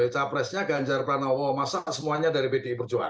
capresnya ganjar pranowo mas arief semuanya dari pdi perjuangan